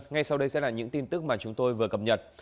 ngay sau đây sẽ là những tin tức mà chúng tôi vừa cập nhật